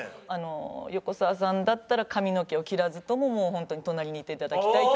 横澤さんだったら髪の毛を切らずとももうホントに隣にいて頂きたい。